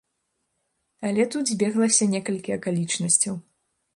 Але тут збеглася некалькі акалічнасцяў.